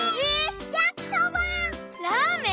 ラーメン？